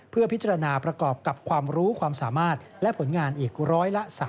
เพื่อพิจารณาประกอบกับความรู้ความสามารถและผลงานอีก๑๓